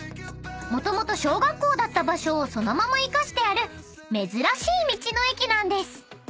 ［もともと小学校だった場所をそのまま生かしてある珍しい道の駅なんです］